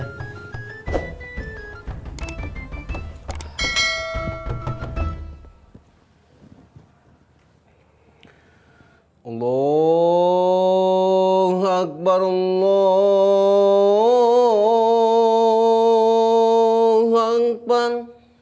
tidak ada yang mengajak